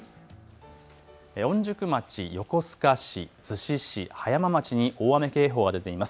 御宿町、横須賀市、逗子市、葉山町に大雨警報が出ています。